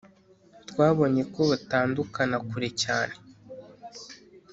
twabonye ko batandukana kure cyane